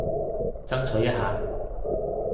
爭取一下